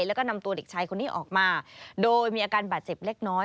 แล้วก็นำตัวเด็กชายคนนี้ออกมาโดยมีอาการบาดเจ็บเล็กน้อย